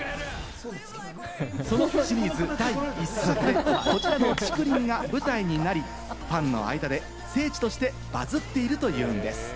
そのシリーズ第１作で、こちらの竹林が舞台になり、ファンの間で聖地としてバズっているというんです。